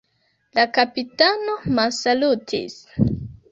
La kapitano mansalutis.